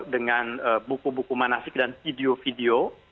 dengan buku buku manasik dan video video